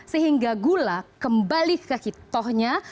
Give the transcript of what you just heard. sehingga gula kembali ke hitohnya